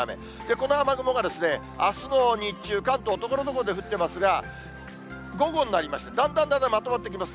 この雨雲が、あすの日中、関東ところどころで降ってますが、午後になりまして、だんだんだんだんまとまってきます。